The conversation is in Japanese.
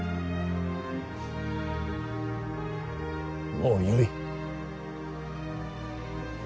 もうよい。